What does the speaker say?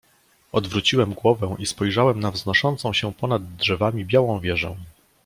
"Odwróciłem głowę i spojrzałem na wznoszącą się ponad drzewami białą wieżę."